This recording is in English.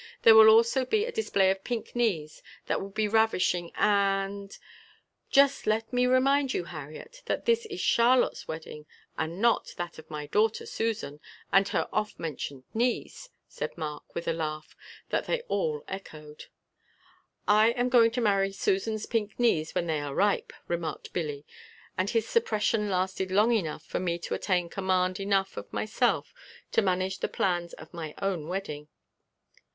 There will also be a display of pink knees that will be ravishing and " "Just let me remind you, Harriet, that this is Charlotte's wedding and not that of my daughter, Susan, and her often mentioned knees," said Mark with a laugh that they all echoed. "I am going to marry Susan's pink knees when they are ripe," remarked Billy and his suppression lasted long enough for me to attain command enough of myself to manage the plans of my own wedding.